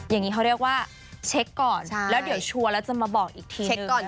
อย่างนี้เขาเรียกว่าเช็คก่อนแล้วเดี๋ยวชัวร์แล้วจะมาบอกอีกทีเช็คก่อน